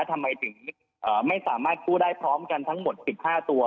ทำไมถึงไม่สามารถกู้ได้พร้อมกันทั้งหมด๑๕ตัว